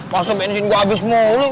masa bensin gue abis mulu